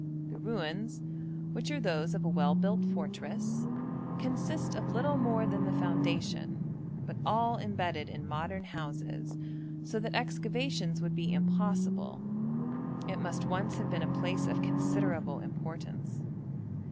The ruins, which are those of a well built fortress, consist of little more than the foundation, but all embedded in modern houses, so that excavations would be impossible. It must once have been a place of considerable importance.